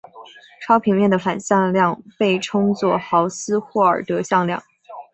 超平面的法向量被称作豪斯霍尔德向量。